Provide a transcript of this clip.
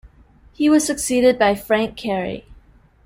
He was succeeded by Frank Cary.